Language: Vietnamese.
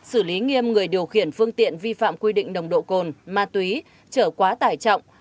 xử lý nghiêm người điều khiển phương tiện vi phạm quy định nồng độ cồn ma túy trở quá tải trọng